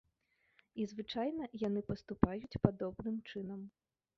І звычайна яны паступаюць падобным чынам.